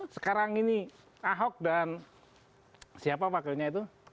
sekarang ini ahok dan siapa pak gawinnya itu